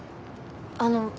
あの。